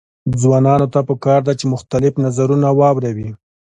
ځوانانو ته پکار ده چې، مختلف نظرونه واوري.